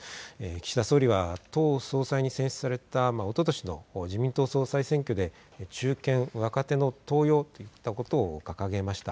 岸田総理は党総裁に選出されたおととしの自民党総裁選挙で中堅、若手の登用といったことを掲げました。